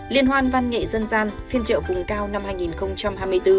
liên hoan văn nghệ dân gian phiên trợ vùng cao năm hai nghìn hai mươi bốn